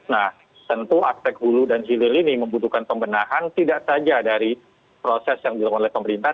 nah tentu aspek hulu dan hilir ini membutuhkan pembenahan tidak saja dari proses yang dilakukan oleh pemerintah